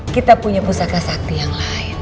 kita punya pusaka sakti yang lain